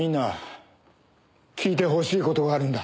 聞いてほしい事があるんだ。